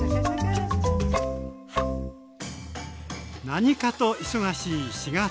何かと忙しい４月。